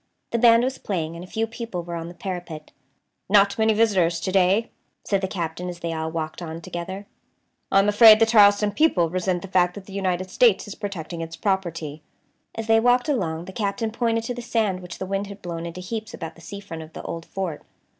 The band was playing, and a few people were on the parapet. "Not many visitors to day," said the Captain, as they all walked on together. "I am afraid the Charleston people resent the fact that the United States is protecting its property." As they walked along the Captain pointed to the sand which the wind had blown into heaps about the sea front of the old fort.